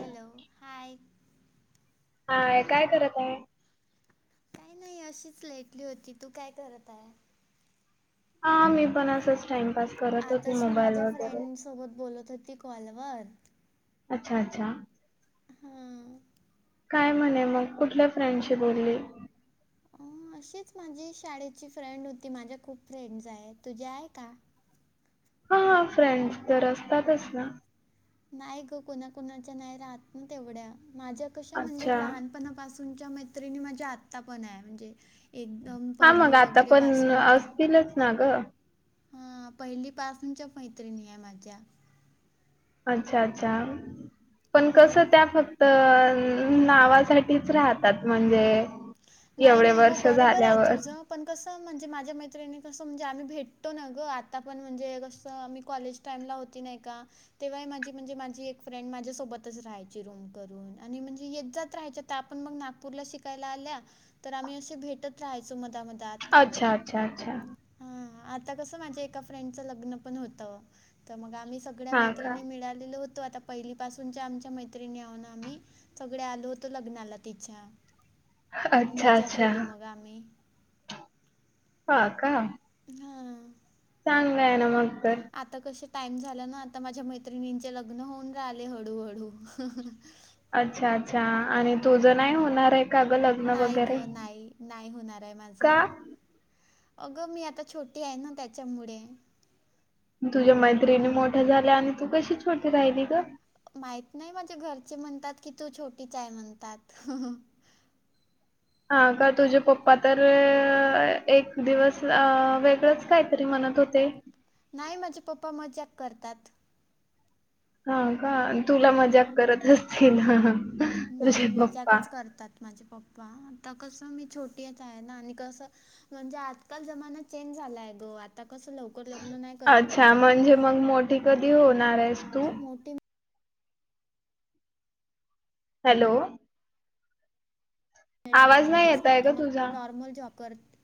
Hello! Hi. Hi काय करत आहे? काय नाही अशीच लेटली होती तू काय करत आहे. हा मी पण असंच टाइमपास. करत होती आताच मी मोबाईल माझ्या वगैरे. फ्रेंड सोबत बोलत होती कॉलवर. अच्छा! अच्छा! हा काय म्हणे मग कुठल्या फ्रेंडशी बोलली. अ अशीच माझी शाळेची फ्रेंड होती, माझ्या खूप फ्रेंड्स आहेत तुझ्या आहे का? हा, फ्रेंड्स तर असतातच ना नाही ग, कुणाकुणाच्या नाय राहत ना तेवढ्या माझ्या कशा म्हणजे अच्छा लहान पणापासूनच्या मैत्रिणी माझ्या आता पण आहे म्हणजे एकदम हा मग पहिली आता वगैरे पण पासूनच्या असतीलच ना ग. हा, पहिली पासूनच्या मैत्रिणी आहे माझ्या. अच्छा अच्छा, पण कसं हां त्या फक्त अ नावा साठीच राहतात म्हणजे नाही एवढे नाही, हो वर्ष बरोबर आहे झाल्यावर तुझं पण कसं म्हणजे माझ्या मैत्रिणी कसं म्हणजे आम्ही भेटतो ना ग, आता पण म्हणजे कसं आम्ही कॉलेज टाइमला होती नाय का? तेव्हा ही माझी म्हणजे माझी एक फ्रेंड माझ्यासोबतच राहायची रूम करून आणि म्हणजे ये-जात राहायच्या त्या पण मंग नागपूरला शिकायला आल्या तर आम्ही असे भेटत राहायचो मधा मधात अच्छा अच्छा अच्छा हा आता कस माझ्या एका फ्रेंडच लग्न पण होतं तर मग आम्ही सग सगळ्या हा का मैत्रिणी मिळालेल्या होत तो आता पहिली पाासूनच्या आमच्या मैत्रिणी हाओ ना आम्ही सगड्या आलो होतो लग्नाला तिच्या खूप अच्छा मज्जा अच्छा केली मग आम्ही. हा का हा चांगलय ना मग तर. आता कशे टाइम झाला ना, आता माझ्या मैत्रिणींचे लग्न होऊन राहिले हडूहडू. अच्छा अच्छा आणि तुझं नाही होणार आहे का ग लग्न नाही वगैरे, गं, नाही. नाही होणार आहे का? माझं. अगं मी आता छोटी आहे ना त्याच्यामुडे. तुझ्या मैत्रिणी मोठ्या झाल्या आणि तू कशी छोटी राहिली ग? माहित नाही माझ्या घरचे म्हणतात की तू छोटीच आहे म्हणतात. हा का तुझे पप्पा तर अ, एक दिवस अ वेगळंच काहीतरी म्हणत होते. नाही माझे पप्पा मजाक करतात. हा का, तुला मजाक हां. करत असतील. तुझे नाही पप्पा. मजाकच करतात माझे पप्पा आता कसं मी छोटीच आहे ना आणि कस म्हणजे आजकाल जमाना चेंज झालाय ग, आता कस लव कर लग्न नाही करत अच्छा कोणी. म्हणजे मग मोठी कधी होणार आहेस तू? हॅलो ळाय आवाज मला नाही कोर्स येत आहे करते ग मला तुझा नॉर्मल जॉब करत,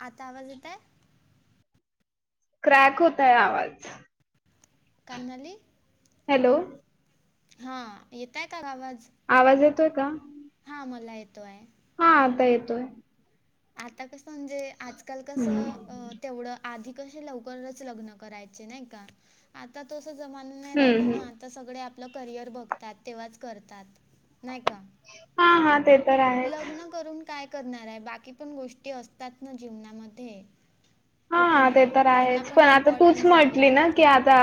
आता आवाज येत आहे? क्रॅक होतय आवाज काय म्हणाली, हॅलो हा येतय का आवाज? आवाज येतोय का? हा मला येतोय. हा आता येतोय. आता कस म्हणजे आजकाल कस हम्म. अ तेवढ आधी कशे लवकरच लग्न करायचे नाही का, आता तस जमाना नाही हम्म राहिला ना हम्म आता सगडे आपलं करियर बघतात तेव्हाच करतात, नाही का? हा हा, तेच लग्न करून काय करणार आहे, बाकी पण गोष्टी असतात ना जीवनामध्ये हो की हा ते नाही तर त्यांना आहेच, पण आता तूच इम्पॉर्टन्स द्यावी म्हटली ना की लागते आता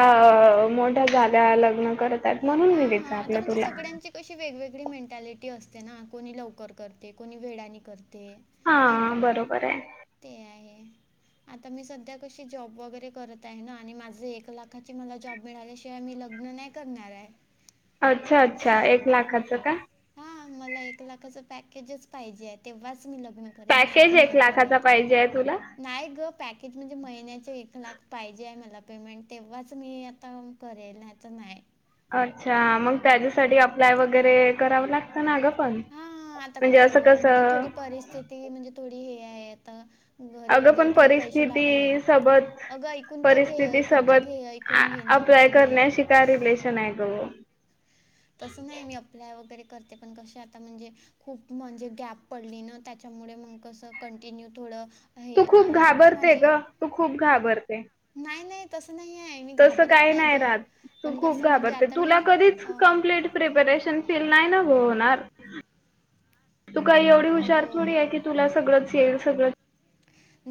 मो झाल्या लग्न करत आहेत म्हणून हा मी -हा आता विचारलं म्हणजे तुला सगळ्यांची तशी वेगवेगळी मेंटॅलिटी असते ना, कोणी लवकर करते कोणी वेळाने करते. नाही हा, का? बरोबर आहे. ते आहे. आता मी सध्या कशी जॉब वगैरे करत आहे ना आणि माझे एक लाखाची मला जॉब मिळाल्या ते आम्ही लग्न नाही करणार आहे. अच्छा -अच्छा एक लाखाचं काय? हा मला एक लाखाचं पॅकेजच पाहिजे आहे तेव्हाच मी लग्न करेन नाही पॅकेज तर नाही एक लाखाचा करत. पाहिजे आहे तुला? नाही ग पॅकेज म्हणजे महिन्याचे एक लाख पाहिजे आहे मला पेमेंट तेव्हाच मी आता करेल नाहीतर नाय. अच्छा! मग त्याच्यासाठी अप्लाय वगैरे करावं लागत अस ना ग पण, हां, म्हणजे असं -कसं ते म्हणजे थोडी हे आहे आता घरी अगं वगैरे पण थोडे पैसे लागले, परिस्थिती सोबत अगं ऐकून तर घे- परिस्थिती ऐकून तर सोबत घे-ऐकुन ऐकुण घेणं अप्लाय पहिले. [unintelligible] रिलेशन आहे ग. तसं नाही मी अप्लाय वगैरे करते, पण कसे आता म्हणजे खूप म्हणजे गॅप पडली ना त्याच्यामुळे मग कसं कंटिन्यू थोडं तू हे, खूप आं एक तर घाबरते माझे ग तू खूप घाबरते. नाही - नाही तसं नाही आहे मी तसं घाबरत काही नाही ग राहत तू पण खूप कसं म्हणजे घाबरते आता मी तुला कधीच अ कम्प्लीट प्रिपरेशन फील नाही ना होणार. तू काही एवढी हुशार थोडी आहे अगं की तुला सगळंच येईल सगळं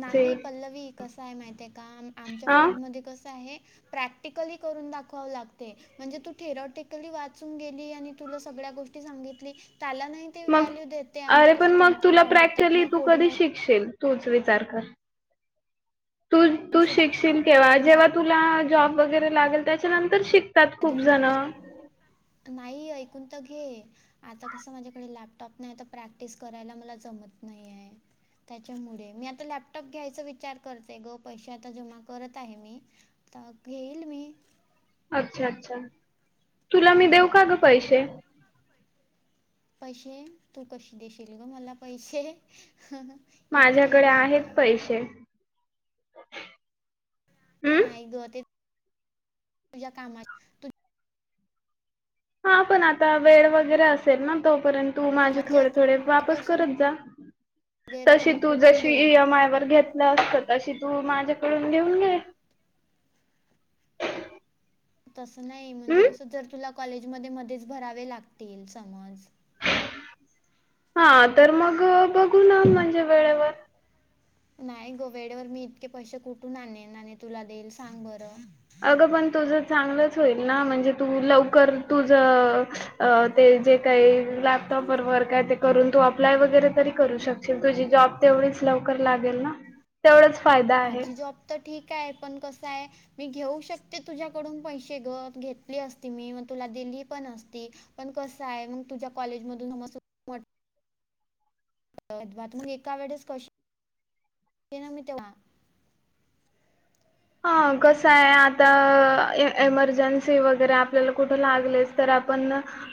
नाही पल्लवी कस आहे माहितेय का, आमच्या अ फीलल्डमध्ये कस आहे प्रॅक्टिकली करून दाखवावं लागते. म्हणजे तू थेरॉटिकली वाचून गेली आणि तुला सगळ्या गोष्टी सांगितली. त्याला नाही ते मग व्हेलु देते, आमचे अरे पण कसे मग दोन- तीन तुला राऊंड होतात प्रॅक्टिकली ना तू कोडिंग राऊंड [unintelligible] तूच विचार कर तु -तू सुद्धा शिकशील केव्हा म्हणजे जेव्हा तुला जॉब वगैरे लागेल त्याच्यानंतर शिक आधी म्हणजे [unintelligible] नाही ऐकून तर घे. आता कसं, माझ्याकडे लॅपटॉप नाही तर प्रॅक्टिस करायला मला जमत नाहीय. त्याच्यामुळे, मी आता लॅपटॉप घ्यायचा विचार करतेय ग पैसे आता जमा करत आहे मी. [unintelligible] घेईल मी. अच्छा - अच्छा तुला मी देऊ का हां ग पैसे? पैसे तू कशी देशील ग मला पैसे? इतके नाय का? पशे [unintelligible] हम्म नाही ग ते [unintelligible] तुझ्या कामाचे हा पण आता वेळ वगैरे असेल ना तोपर्यंत. तू माझे कामाचे थोडे असतील. -थोडे मग वापस कसं करत जा. वगैरे तर तशी मग तू कुठून जशी देईल इयमाय घेत [unintelligible] तशी तू माझ्याकडून घेऊन घे. तसं नाही म्हणजे हम्म कस जर तुला कॉलेजमध्ये मध्येच भरावे लागतील समज हा, तर मग बघू ना म्हणजे वेळेवर. नाही ग वेळेवर मी इतके पैसे कुठून आणेन आणि तुला देईल सांग बरं. अगं पण तुझं चांगलंच होईल ना म्हणजे तू लवकर तुझ. अ ते जे काही लॅपटॉप काय ते करून तू वगैरे तरी करू शक''--'' तर तुझी जॉब तेवढीच लवकर लागेल ना. तेवढाच फायदा. आहे. माझी जॉब तर ठीक आहे पण कस आहे. ''मी घेऊ शकते तुझ्याकडून पैसे ग घेतली असती मी मग तुला दिली पण असती. पण कसं आहे मग तुझ्या कॉलेजमधून मसून. [inaudible] अवा त मग एका वेळेस कशी ना मी तेव्हा हा, कसं आहे आता ए एमर्जन्सी वगैरे आपल्याला कुठं लागलेच तर आपण.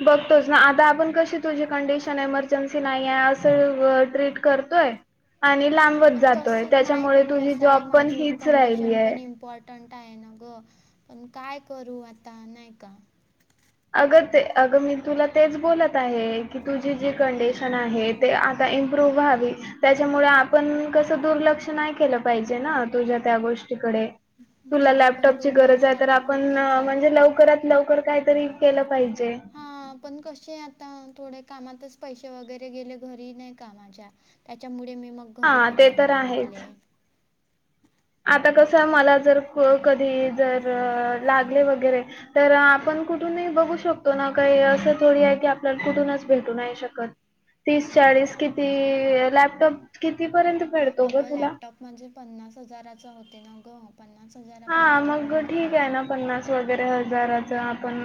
बघतोच ना आता आपण कशी तुझी कंडिशन एमर्जन्सी नाही आहे असं अ व ट्रीट करतोय. आणि लांब. तस नाही पण कस आहे पण माझी हीच राहिली कंडिशन आहे पण इम्पॉर्ट ''--'' र्टंट आहे ना ग पण काय करू आता नाही का. अगं ते अगं मी तुला तेच बोलत आहे की, तुझी जी कंडिशन आहेत. ते आता इम्प्रूव्ह व्हावी. त्याच्यामुळे आपण कसं दुर्लक्ष नाही केलं पाहिजे ना तुझ्या त्या गोष्टीकडे. तुला ना पण लॅपटॉपची गरज दुर्लक्ष आहे तर आता आपण होतच आहे म्हणजे लवकरात लव''--'' लवकर काही तरी केलं पाहिजे. हा, पण कसे आता थोडे कामातच पैसे वगैरे गेले घरी नाही कामाच्या. त्याच्यामुळे मी मग घरी हा पण ते नाही तर आहेच मागितले. आता कसं मला तर को कधी जर लागले वगैरे. तर आपण कुठूनही बघू शकतो ना काही असं थोडी आहे की, आपल्याला कुठूनच भेटूय शकत. तीस चाळीस किती लॅपटॉप कितीपर्यंत. मिळतो ग अगं तुला? लॅपटॉप म्हणजे पन्नास हजाराचा होते न गं. पन्नास हा हजारापर्यंत मग होऊन ठीक जाईल. आहे ना पन्नास वगैरे हजाराच आपण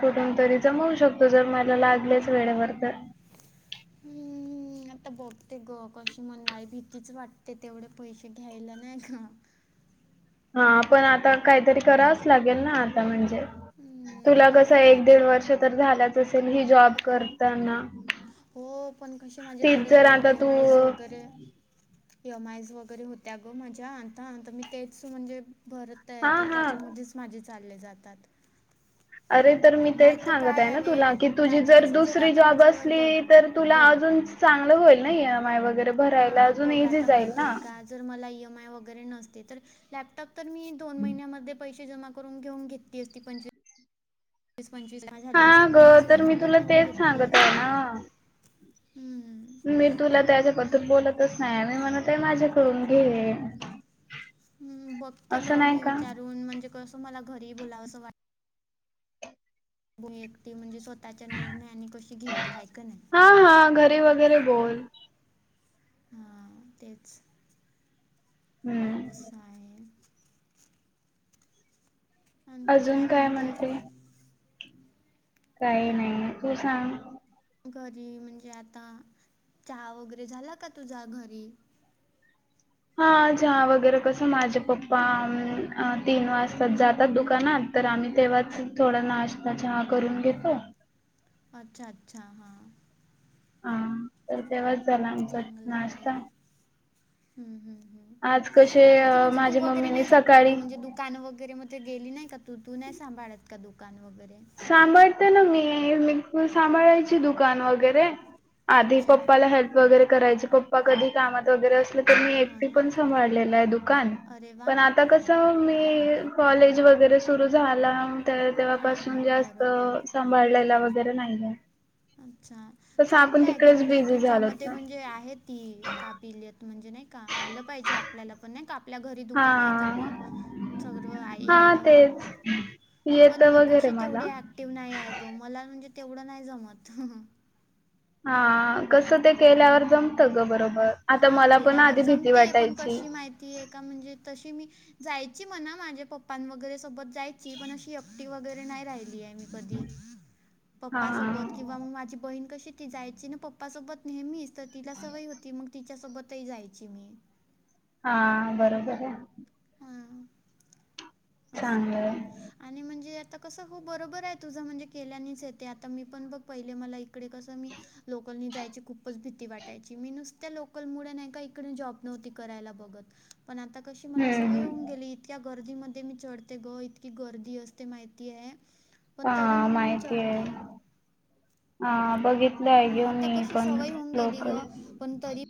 कुठून तरी जमवू शकतो जर मला लागलेच वेळेवर तर. हम्म, हम्, आता बघते ग कशी मणई भीतीच वाटते पैसे नाही का. हा, पण आता लागेल ना आता म्हणजे हम्म, तुला कस बघते एक दीड वर्ष तर झालाच असेल ही जॉब आता करताना. हो पण कसे माझे तीच थोडे जर ए आता एम तू आयज वगैरे. एम आय वगैरे होत्या ग माझ्या आता मी तेच म्हणजे भरत. तर हा तर हा. त्याच्यामध्येच माझे चालले जातात. अरे तर मी नाही तेच तर सांगत काय आहे ना तुला की तुझी नाही तर जर कसं दुसरी आता जॉब माझ्यावर असली बघ तर तुला बघ अजून. चांगलं होईल ना ई एम आय वगैरे भरायला हां अजून बघ इझी आता जाईल माहिती ना. आहे का जर मला ई एम आय वगैरे नसते तर लॅपटॉप तर मी दोन महिन्यामध्ये पैसे जमा करून. करून घेऊन घेत अस पंचवी विस पंचवीस हजारात. हा, झाली ग पन्नास तर हजार मी मध्ये तुला तेच घेऊन सांगत आहे असती ना. हम्म. ''मी तुला त्याच्याबद्दल बोलतच नाही मी म्हणत आहे माझ्याकडून घे. ह, बघते ग असं नाही मी का विचारून म्हणजे कसं मला घरी बोलावंसं वाटत. बोल एकट म्हणजे स्वतःच्या निर्णयाने कशी घेईल हाय का नाही. हा हा, घरी वगैरे बोल. हा, तेच. हम्म. अस आहे. अजून काय म्हणते? काही नाही, तू सांग? घरी म्हणजे आता, चहा वगैरे झाला का तुझा घरी? हा चहा वगैरे कसं माझे पप्पा तीन वाजता जातात दुकानात तर आम्ही तेव्हाच थोडा नाश्ता चहा करून घेतो. अच्छा अच्छा हा. हा तर तेव्हाच झाला आमचा चांगला आहे नाश्ता. हम्म, हम्म, आज कसे हम्म आणखी अं, म्हणजे तू माझ्या वगैरे मम्मीने नाही जात का ग सकाळी म्हणजे दु दुकान वगैरे मध्ये गेली नाही का तू तू नाही सांभाळत का दुकान वगैरे? सांभाळते ना मी हे मी सांभाळायची दुकान वगैरे आधी अच्छा पप्पाला हेल्प वगैरे करायची पप्पा कधी कामात वगैरे असल तर मी हो एकटी ना पण सभाळलं आहे दुकान अरे वा पण आता कस अस मी कॉलेज वगैरे सुरू तेव्हा हां पासून हां जास्त बरोबर आहे सांभाळलेला वगैरे नाहीये. अच्छा चांगलं आहे ग म्हणजे बिझी तुझ्या झालोत मध्ये ना म्हणजे आहे ती काबिलीयत म्हणजे नाही का आलं पाहिजे आपल्याला पण नाही का आपल्या घरी हा दुकान आहे तर मग सगळं हा यायला तेच हवं. पण येत मी वगैरे कशी मला तेवढी ऍक्टिव्ह नाही आहे गं मला म्हणजे तेवढं नाही जमत. हा कसं ते केल्यावर जमतं ग बरोबर. आता हा मला पण केल्यावर आधी भीती जमते पण वाटायची कशी माहिती आहे का म्हणजे तशी मी जायची म्हणा माझ्या पप्पां वगैरे सोबत जायची पण अशी एकटी वगैरे नाही राहिलीय मी. कधी पप्पा सोबत हा किंवा मग माझी बहीण कशी ती जायची ना पप्पासोबत नेहमीच तर तिला सवय होती मग तिच्या सोबतही जायची मी. हा बरोबर आहे. हा असं आहे. आणि म्हणजे आता कसं हो बरोबर आहे तुझं म्हणजे केल्यानेच येते आता मी पण बघ पहिले मला इकडे कसं मी लोकलनी जायची खूपच भीती वाटायची मी नूसत्या लोकल मुळे नाही का इकडे जॉब नव्हती करायला बघत. पण आता कशी मला हम्म सवय होऊन हम्म. गेली इतक्या गर्दीमध्ये मी चढते ग इतकी गर्दी असते माहिती आहे पण तरी हा मग मी माहिती आहे चढते. हा बघितलंय हां, ग आता मी कशी पण सवय होऊन गेली लोकल. पण तरी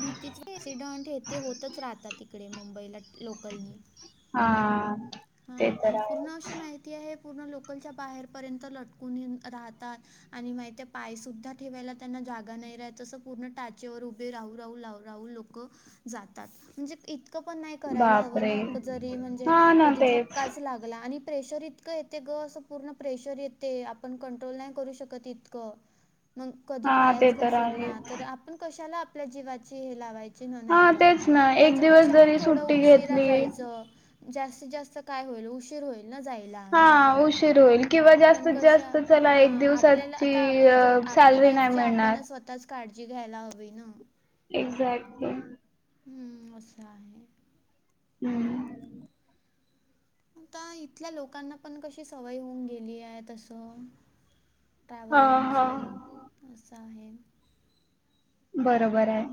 भीतीचे एक्सिडंट ते होतच राहतात तिकडे मुंबईला लोकलनी. हा. हा ते तर पूर्ण अशी आहेच माहिती आहे लोकलच्या बाहेरपर्यंत लटकून ये राहतात. आणि माहिती आहे पाय सुुद्धा ठेवायला त्यांना जागा नाही राहत तसं पूर्ण टाचेवर राहू, राहू लाह राहू लोकं जातात म्हणजे इतकं इतकं पण नाही करायला हवं बापरे ना जरी म्हणजे हा ना कधी तेच धक्काच आणि प्रेशर इतकं इतकं येते पूर्ण प्रेशर येते आपण कंट्रोल नाही करू इतकं. मग कधी हा ते पायाच तर घसरला आहेच तर आपण कशाला आपल्या जीवाची हे लावाय ची नाही हा का तेच ना एक दिवस त्याच्यापेक्षा मग जरी थोड सुट्टी उशिरा घेतली जायचं जास्तीत जास्त काय होईल उशीर होईल? न‌ जायला हा नाही का, उशीर होईल किंवा पण जास्तीत कस जास्त चला हा एक आपल्याला दिवसाची आता आपल्या ज आपल्या सॅलरी नाही लाईफची मिळणार आपणच स्वतःच काळजी घ्यायला हवी ना. एक्झॅक्टली. हम्म असं आहे. हम्म. आता इथल्या लोकांना पण कशी सवय होऊन गेली आहे तसं. हा हा ट्रॅव्हलिंगची, असं आहे. बरोबर आहे.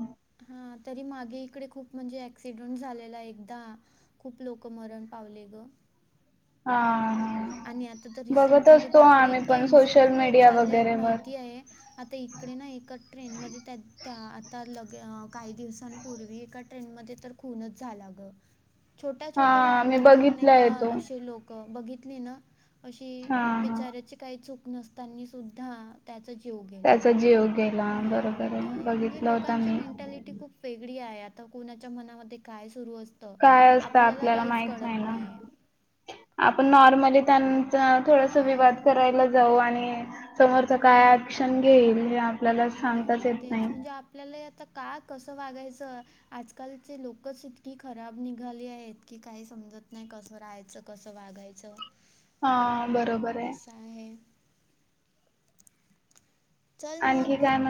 हा तरी मागे इकडे खूप म्हणजे ऍक्सिडेंट झालेला एकदा. खूप लोक मरण पावले ग. हा हा. आणि आता तर बघत रिसेंटमध्ये असतो बापरे आम्ही इतके पण सोशल इन्सिडेंट होत मीडिया चाललेत वगैरे वर. माहिती आहे? आता इकडे ना एका ट्रेनमध्ये त्या, त्या आता लगे काही दिवसांपूर्वी एका ट्रेन मध्ये तर खूनच झाला ग, छोट्या छोट्या हा मी भांडणांवरून एका बघितलाय तो असे लोक क बघितली न, अशी, हा हा. बीचाराची काही चूक नसतानी सुद्धा त्याचा जीव गेला, त्याचा जीव गेला हा बरोबर त आहे म्हणजे बघितला होता लोकांची मी. मेंटॅलिटी खूप वेगळी आहे आता कोणाच्या मनामध्ये काय सुरू असत, काय असतं आपल्याला काहीच माहित कळत ना. नाही. आपण नॉर्मली त्यांच थोडस विवाद हां करायला जाऊ आणि समोरचा काय ऍक्शन घेईल हे आपल्याला हा सांगताच येत तेच नाही. म्हणजे आपल्याला हि आता का कसं वागायचं आजकालचे लोकच इतकी खराब निघाली आहेत की काही समजत नाही कसं राहायचं? कसं वागायच? हा बरोबर आहे. आहे. चल आणखी मग बो काय म?